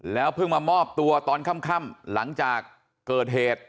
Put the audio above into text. เพิ่งมามอบตัวตอนค่ำหลังจากเกิดเหตุ